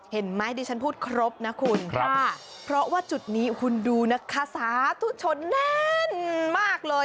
เห็นไหมดิฉันพูดครบนะคุณค่ะเพราะว่าจุดนี้คุณดูนะคะสาธุชนแน่นมากเลย